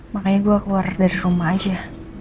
makanya gue keluar dari rumah aja